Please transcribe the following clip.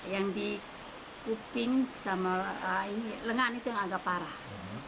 yang di kuping sama lengan itu yang agak parah